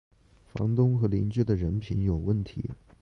房东和邻居的人品有问题